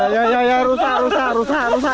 ya ya ya rusak rusak rusak rusak